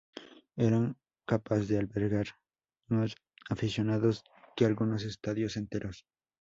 Era capaz de albergar más aficionados que algunos estadios enteros.